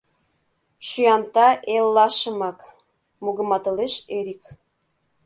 — Шӱанта эллашымак... — мугыматылеш Эрик.